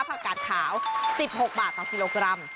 ผักกาดขาว๑๖บาทต่อกิโลกรัม